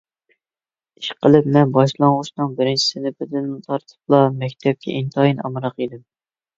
ئىشقىلىپ، مەن باشلانغۇچنىڭ بىرىنچى سىنىپىدىن تارتىپلا مەكتەپكە ئىنتايىن ئامراق ئىدىم.